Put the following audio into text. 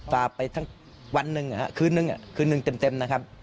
ฝากไปทั้งวันหนึ่งคืนนึงคืนหนึ่งเต็มนะครับ